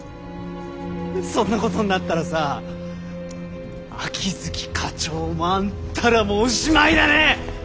そんなことになったらさ秋月課長もあんたらもおしまいだね！